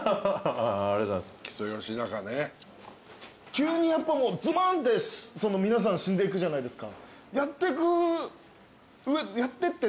急にズバーンって皆さん死んでいくじゃないですか。